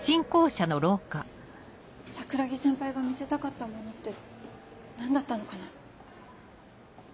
桜樹先輩が見せたかったものって何だったのかな。